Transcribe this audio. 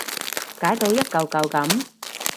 解到一舊舊噉